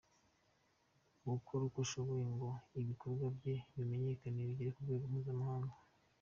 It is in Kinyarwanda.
gukora uko ashoboye ngo ibikorwa bye bimenyekane bigere ku rwego mpuzamahanga.